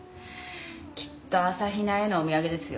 きっと朝比奈へのお土産ですよ。